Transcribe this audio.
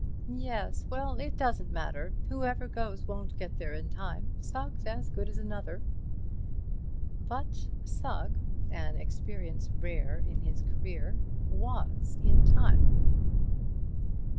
"Yes. Well, it doesn't matter. Whoever goes won't get there in time. Sugg's as good as another." But Sugg—an experience rare in his career—was in time.